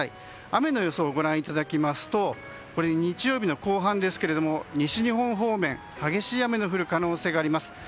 雨の予想をご覧いただきますと日曜日の後半ですけど西日本方面、激しい雨の降る可能性があります。